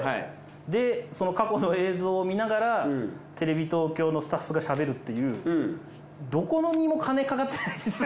でその過去の映像を見ながらテレビ東京のスタッフがしゃべるっていうどこにも金かかってない。